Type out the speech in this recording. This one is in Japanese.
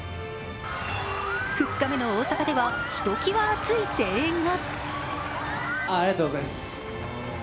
２日目の大阪では、ひときわ熱い声援が。